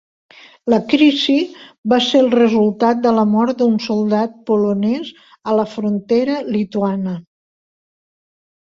La crisi va ser el resultat de la mort d'un soldat polonès a la frontera lituana.